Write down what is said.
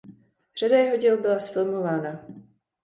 Řada jeho děl byla zfilmována.